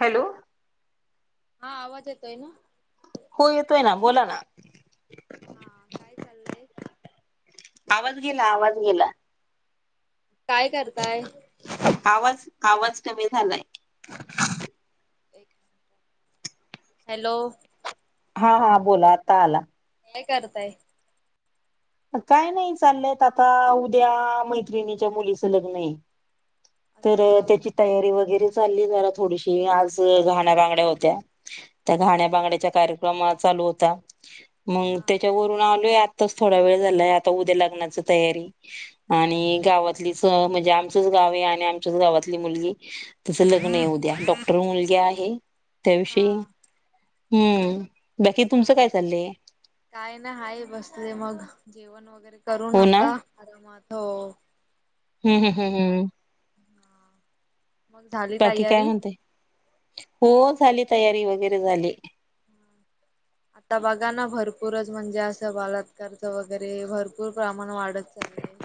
Hello! हा आवाज येतोय ना. हो येतोय ना बोला ना. हा काय चाललंय. आवाज गेला आवाज गेला. काय करताय. आवाज आवाज कमी झालाय. एक मिनट. हॅलो! हा हा बोला आता आला. काय करताय. काय नाही चाललंयत आता उद्या मैत्रिणीच्या मुलीचं लग्न हे. तर अच्छा त्याची तयारी वगैरे. चालली जरा थोडीशी आज घाण्या बगड्या होत्या त्या घाण्या अच्छा बांड्याच्या कार्यक्रमात. चालू होता मग हा त्याच्यावरून आलोय आत्ताच. थोडा वेळ झालाय आता उद्या लग्नाची तयारी आणि गावातलीच म्हणजे आमचच गाव आहे. आमच्या गावातली मुलगी तस लग्न आहे उद्या डॉक्टर मुलगी आहे. त्याविषयी हा हम्म. बाकी तुमचं काय चाललंय? काय ना हाय बसले मग जेवण वगैरे. करून हो ना, आता आरामात हो. हम्म हम् हम् हम. हा. बाकी काय म्हणते हो. झाली तयारी वगैरे झाली. आता बघा ना भरपूरच म्हणजे असं बलात्कारच वगैरे भरपूर प्रमाण वाढत चाललय. लई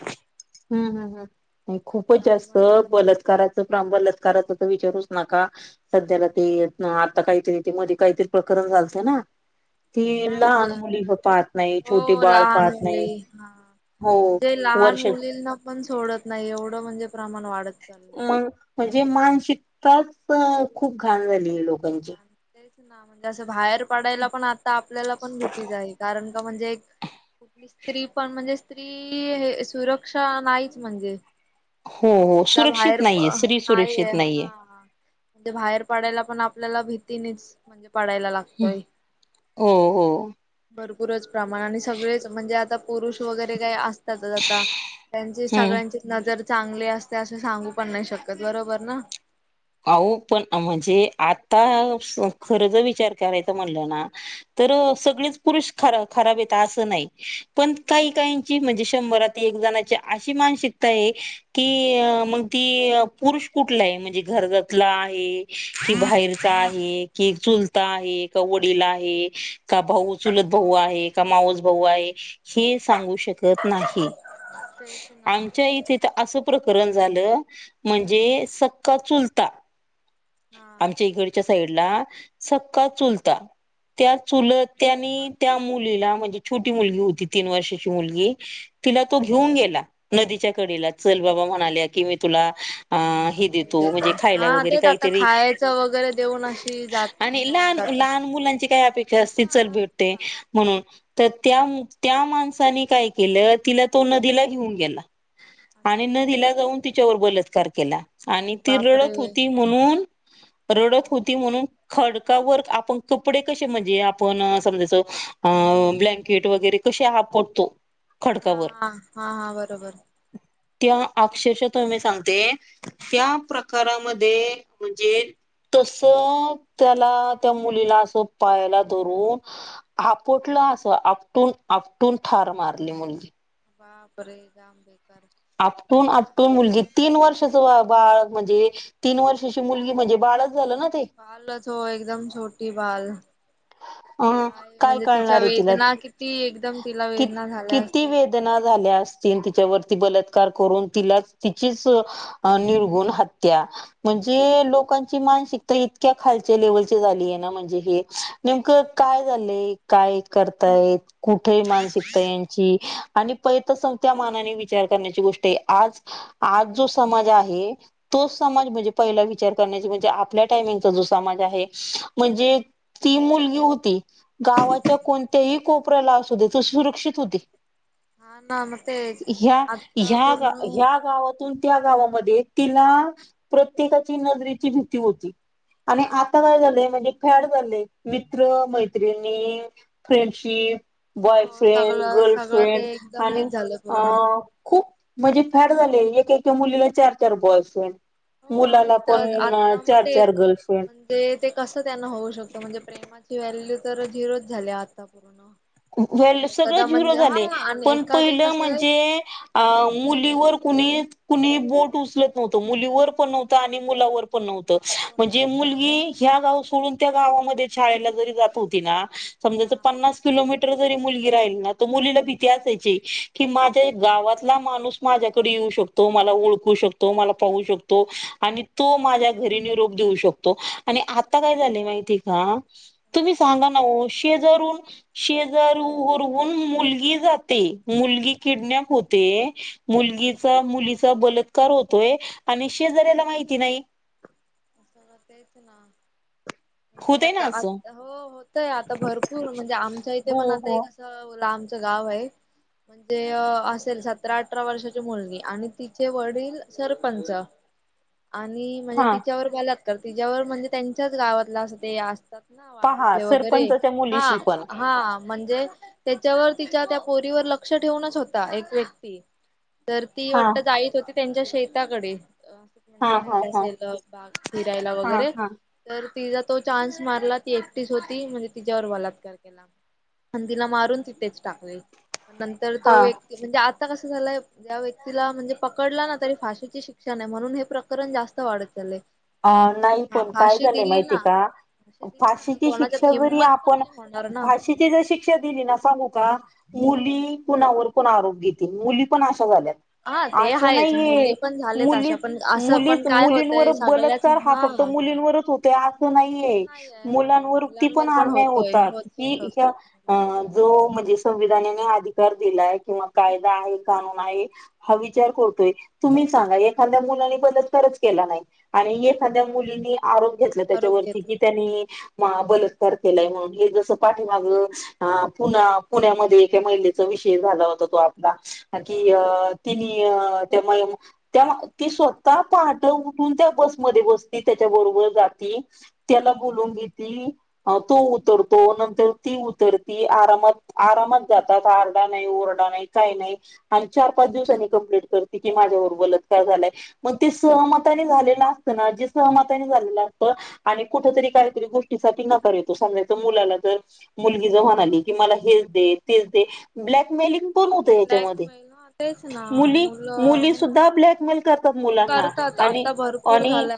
हम् हम हम आणि खूपच जास्त म्हण बलात्कारात. बलात्काराच तर विचारुच नका सध्याला ते आता काहीतरी ते मधी. काहीतरी प्रकरण झालतं ना. हा ती लहान म्हणजे मुली कड पाहत नाही छोटे हो बाळ लहान पाहत मुले नाही. हा. हो म्हणजे लहान वर्ष. मुलींना पण सोडत नाही एवढं म्हणजे. प्रमाण वाढत चाललंय. मग म्हणजे मानसिकताच खूप घाण झालीए लोकांची. म्हंजे. तेच हा म्हणजे तसं बाहेर पडायला पण आता आपल्याला पण भीतीच आहे कारण का म्हणजे एक. कुठली स्त्री पण म्हणजे स्त्री हे सुरक्षा नाहीच म्हणजे. हो हो तिला सुरक्षित बाहेर प नाहीये, स्त्री सुरक्षित नाहीय हा नाहीये. हा म्हणजे बाहेर पडायला. पण आपल्याला भीतीनेच म्हणजे पाडायला लागतय हो हो. बरोब पुरच प्रमाण आणि सगळेच म्हणजे आता पुरुष वगैरे काय अस ज जाता जाता त्यांची हम्म. सगळ्यांची नजर चांगले असते असे सांगू पण नाही शकत बरोबर ना अहो पण म्हणजे आता स खर ज विचार करायचां म्हणलं ना तर सगळीच पुरुष खरा खराब येत असं नाही पण मग काही काय तेच काहीची ना म्हणजे शंभरात एक जणाची अशी मानसिकता आहे की मग ती पुरुष कुठला आहे म्हणजे घरजातला आहे कि बाहेरचा आहे कि चुलता आहे का वडील आहे का भाऊ चुलत भाऊ आहे का मावस भाऊ आहे हे सांगू शकत नाही तेच ना. आमच्या इथेत अस प्रकरण झालं म्हणजे सक सका चुलता हा आमच्या इकडच्या साईडला सक्का चुलता त्या चुलत्यांनी त्या मुलीला म्हणजे छोटी मुलगी होती तीन वर्षाची मुलगी तिला तो घेऊन गेला नदीच्या कडेला चल बाबा म्हणाला की मी तुला अ ह देतो खाऊ हो म्हणजे देतात खायला हा वगैरे तेच आता काहीतरी खायचं वगैरे देऊन अशी जात आणि घेऊन लहान जातात. लहान मुलांचे काही त्यापेक्षा असी चल हा भेटते खाऊ म्हणून तर त्या त्या माणसानी काय केलं तिला तो नदीला घेऊन गेला आणि अच्छा. नदीला जाऊन तिच्यावर बलत्कार केला आणि ती बापरे रडत होती म्हणून रडत हा होती म्हणून खड कावर आपण कपडे कशे म्हणजे आपण समजायच अ अ ब्लॅन्केट वगैरे कशे आप कोतो हा खडकावर हा हा हा बरोबर त्या तस अक्षरशः ताई मी सांगते त्या प्रकारामध्ये म्हणजे तस त्याला त्या मुलीला अस पायाला धरून आपटलं हा अस आपटून आपटून ठार मारली मुलगी बापरे जाम ब आपटून आपटून मुलगी तीन वर्षाच बा बाळ म्हणजे तीन वर्षाची मुलगी म्हणजे बाळच झालं ना ते बालच हो एकदम छोटी बाल अ काय काय म्हणजे तिच्या कळणार आहे तिला वेदना किती एकदम तिला कि वेदना झाल्या असतील तेन तिच्यावर बलत्कार करून तिला तिचीच अ निर्घृण हत्या म्हणजे लोक लोकांची मानिकता इतक्या खालच्या लेवलची झाली ए ना म्हणजे हे नेमकं काय झालंय काय करतायेत कुठे मानसिकता यांची आणि पयल त तस त्या मानाने विचार करण्याची गोष्ट आहे आज आज जो समाज आहे तोच समाज म्हणजे पहिला विचार करण्याची म्हणजे आपल्या टायमिंगचा जो समाज आहे म्हणजे ती मुलगी होती गावाच्या कोणत्याही कोपऱ्याला असू दे ती सुरक्षित होती हा ना मग तेच ह ह आता पूर्ण ह्या गावातून त्या गावामध्ये तिला प्रत्येकाची नजरेची भीती होती आणि आता काय झालंय म्हणजे फॅड झालेय मित्र मैत्रिणी फ्रेंडशिप हो बॉयफ्रेंड सगळं सगळं ते गर्लफ्रेंड एकदम आणि हेच झालं अ पूर्ण. खूप म्हणजे फॅड झाले एका एका मुलीला चार चार बॉयफ्रेंड आहे हो आहे तर आता मग चार तेच गर्लफ्रेंड म्हणजे ते कसं त्यांना होऊ शकतं म्हणजे प्रेमाची व्हॅल्यू तर झिरोच झाली आता पूर्ण व्हाल्यू आणि सगळं एखादा झिरो म्हणजे झाले हा आणि पण एखादं पहिलं कसं आहे म्हणजे मुलीवर कुणी कुणी बोट उचलत नव्हत मुलीवर पण नव्हतं आणि मुलावर पण नव्हत कोण म्हणजे नव्हतं आता मुलगी ह्या गाव सोडून त्या गावामध्ये शाळेला जरी जात होती ना समजायचं हा पन्नास मीटर राहिली ना मुलीला भीती असायची की माझ्या गावातला माणूस माझ्याकडे येऊ शकतो मला ओळखू शकतो मला पाहू शकतो आणि तो माझ्या घरी निरोप देऊ शकतो आणि आता काय झाले माहिती का तुम्ही सांगा शेजार वरून मुलगी जाते मुलगी किडनॅप मुलगीचा मुलीचा बलात्कार होतोय. आणि शेजाऱ्याला माहिती नाही. असला तेच ना होतय ना असं म्हणजे हो होतय आता भरपूर म्हणजे आमच्या इथे हो पण आता हो एक असं लांबच गाव आहे. म्हणजे असेल सतरा अठरा वर्षाची मुलगी आणि तिचे वडील सरपंच आणि म्हणजे हा तिच्यावर बलात्कार तिच्यावर म्हणजे त्यांच्याच गावातलं असं ते असतात ना पहा वाडीतले वगैरे सरपंचाच्या हा मुलीशी पण हा म्हणजे त्याच्यावर तिच्या त्या पोरीवर लक्ष ठेवूनच होता एक व्यक्ती तर ती हा वाटत जायत होती त्यांच्या शेताकडे हा म्हणजे हा जाईत हा असेल. बाग फिरायला हा वगैरे हा तर तिचा तो चान्स मारला ती एकटीस होती म्हणजे तिच्यावर बलात्कार केला. आणि तिला मारून तिथेच टाकले नंतर हा तो व्यक्ती म्हणजे आता कस झालाय ज्या व्यक्तीला म्हणजे पकडला ना तरी फाशीची शिक्षा नाही म्हणून हे प्रकरण जास्त वाढत चाललंय. अ नाही पण काय फाशी झालंय दिली माहिते ना का? फाशी दिली ना तर फाशीची कोणाच्यात शिक्षा जरी हिंमत पण आपण नाही होणार ना. फाशीची जर शिक्षा दिली ना सांगू का मुली कुणावर पण आरोप घेतील मुली पण अशा झाल्यात हा ते अस आहेच नाही आहे मुली पण झालेत अशा मुलीच पण असं पण मुलीच काय होतंय मुलींवर बलात्कार सगळ्याच बलात्कार हा फक्त मुलींवरच होतोय असं नाही नाहीये नाही आहे हो मुलांवरती पण मुलांवर अन्याय होतोय होतात होतोय की होतात. ह्या जो म्हणजे संविधानाने अधिकार दिलाय किंवा कायदा आहे कानून आहे हा विचार करतोय तुम्ही सांगा एखाद्या मुलांनी बलात्कार केला नाही आणि एखाद्या हा मुलीनी आरोप घेतला आरोप त्याच्यावरती घेतला कि त्यांनी बलात्कार केलाय म्हणून हे जस पाठीमाग पुन पुण्यामध्ये एका महिलेच विषय झाला होता तो आपला कि हा अ तिने त्या त्या ती स्वतः पहाट उठून त्या बस मध्ये बसली त्याच्याबरोबर जाते त्याला बोलवून घेतली तो उतरतो मग ती नंतर ती उतरती आरामात आरामात जातात आरडा नाही ओरडा नाही काही नाही आणिही चार पाच दिवसांनी कम्प्लेंट करते की माझ्यावर बलात्कार झालाय मग ते सहमताने झालेला सहमता झाले असत आणि कुठरी काहीतरी गोष्टीसाठी नकार येतो समजाय मुला मुली जर म्हणाली मला हेच दे तेच दे ब्लॅक मेलिंग कोण होत हच्यामध्ये ब्लॅकमेल हा तेच ना मुली मुलं मुली हो सुद्धा ना. ब्लॅकमेल करतात हो मुलांना करतात आणि आता भर आणि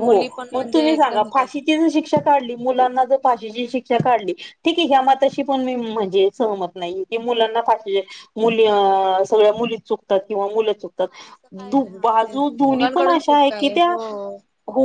हो मग तुम्ही सांगा एकदम हे फाशीची ज शिक्षा काढली मुलांना शीची शिक्षा काढली ठीक आहे ह्या मातशी पण मी म्हणजे सहमत नाही की मुलांना फाशी मुली सगळ्या मुली चुकतात किंवा मुलं हा असं चुकतात काही नाही हा तेच बाजू दोनी पण दोघांकडून अशा चुका एक आहे हो. हो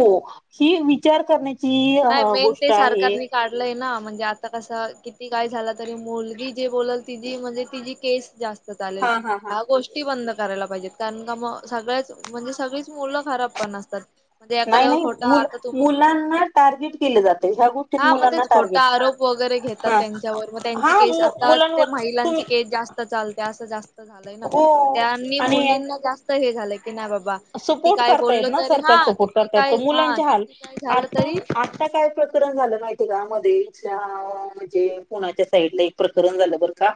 ही विचार करण्याची नाही मेन गोष्ट ते आहे. सरकारने काढलंय ना म्हणजे आता कस किती काय झाला तरी मुलगी जे बोलल तिजी म्हणजे तिजी केस जास्त चालेल हा हा हा ह्या गोष्टी बंद करायला पाहिजेत. कारण का मग सगळ्याच म्हणजे सगळीच मुलं खराब पण नसतात. म्हणज नाही एखाद्यावर नाही खोटा मुल आता तुम्ही मुलांना टार्गेट केलं जातं ह्या गोष्टीत हा मग मुलांना तेच खोटा टार्गेट आरोप वरे घेतात हा त्यांच्यावर म त्यांची हा केस आता मुलांवर महिलां तुम्ही केस जास्त चालते अस जास्त झालय. हो त्यांनी आणि मुलींना जास्त हे झालंय. कि नाही बाबा किती सपोर्ट काय करतायत बोलल ना तरी सरकार हा सपोर्ट किती करतायत काय तर हा मुलांचे हाल किती काय झालं आता तरी आता काय प्रकरण झालं माहिती आहे का म्हणजे पुण्याच्या साईडला एक प्रकरण झालं बर का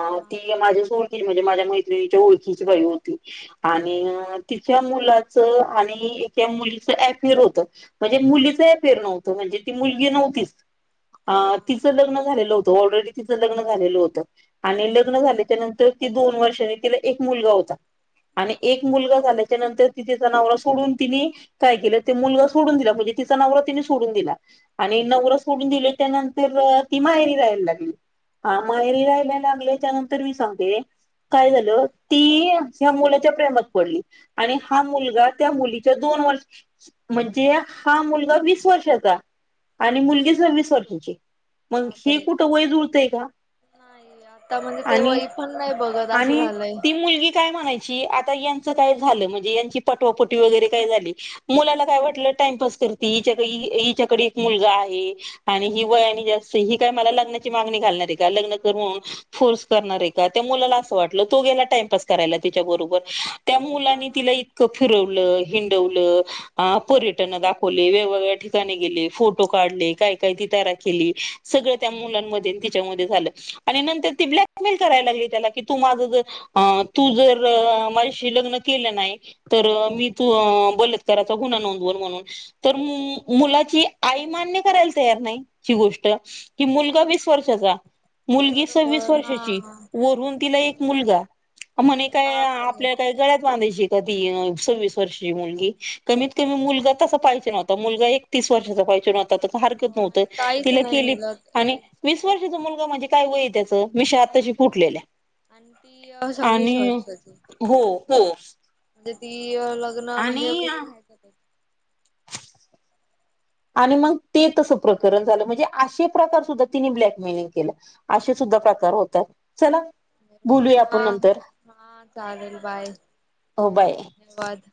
हा ती माझ्या ओळखी म्हणजे माझ्या मैत्रिणीच्या ओळखीची बाई होती आणि तिच्या मुलाच आणि एका मुलीच अफेअर होतं म्हणजे मुलीच अफेयर नव्हतं म्हणजे म्हणजे ती मुलगी नव्हतीच अ हा तिचं लग्न झालेलं होतं ऑलरेडी तिचं लग्न झालेलं होतं आणि लग्न झाल्याच्या नंतर त दोन वर्षानी तिला एक मुलगा होता आणि एक मुलगा झा त्यानंतर ति तिचा नवरा सोडून तिने काय केलं ते मुलगा सोडून दिला म्हणजे तिचा नवरा तिने सोडून दिला आणि नवरा सोडून दिले त्यानंतर ती माहेरी राहायला लागली हा माहेरी राहायला लागल्याच्या नंतर मी सांगते काय झालं ती ह्या मुलाच्या प्रेमात पडली आणि हा मुलगा त्या मुलीच्या दोन वर्ष म्हणजे हा मुलगा वीस वर्षाचा आणि हा मुलगी सववीस वर्षाची मग हे बापरे कुठं वय जूळतेय का नाही आता म्हणजे ते आणि वय पण नाही बघत असं आणि झालंय ती मुलगी काय म्हणायची आता यची झालं म्हणजे यांची पाठवा पाठवी काय झाली म्हणजे मुलाला काय वाटल त्यांच्या पूर्ती हिच्या काय कडे एक मुलगा आहे आणि ही वयाने जास्त आहे ही काय मला लग्नाची मागणी घालणार आहे काय लग्न कर फोर्स करणार आहे काय त्या मुलाला अस वाटल तो गेला टाईम पास करायला तिच्या बरोबर तो हा आणि हा तिला इतकं फिरव ल हिंडवल पर्यटन दाखवले वेगवेगळ्या ठिकाणी गेले फोटो काढले काय काय ती तरा केली सगळ त्या मुलंमद्ये आणि तिच्या मद्ये झालं आणि ती नंतर ब्लॅक मेल करायला लागली गली की तू माझं तू जर माझ्याशी लग्न केलं नाही तर मी बलतकराचा गुन्हा नोंदवल म्हणून तर मु मुलाची ची आई मान्य करायला तयार नाही गोष्ट कि मुलगा वीस वर्षाचा मुलगी सव्वीस बरोबर हा वर्षाची हा वरून तिला एक मुलगा म्हणे काय बापरे आपल्या काय गळ्यात बांधायची काय सवीस वर्षाची मुलगी कमीत कमी मुलगा तसा पाहिजे ना नाही तर मुलगा एकतीस वर्षाचा पाहिजे अनी त्यात काय हरकत हो नव्हतं आणि काहीच तिला नाही केली आणि मिळत वीस वर्षाचा मुलगा म्हणजे काय वय त्याच मीशी काहीच आताची फुटलेल्या नाही आणि ती सव्वीस आणि वर्षाची हो हो म्हणजे ती लग्न म्हणजे आणि आणि मग ते तसं प्रकरण झालं म्हणजे असे प्रकार सुद्धा तिने ब्लॅकमेलिंग केलं असशे सुद्या प्रकार होतात चला बरोबर बोलूया हा आपण नंतर हा चालेल बाय हो बाय धन्यवाद